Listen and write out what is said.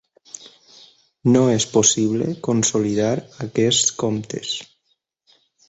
No és possible consolidar aquests comptes.